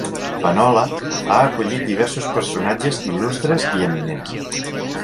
Penola ha acollit diversos personatges il·lustres i eminents.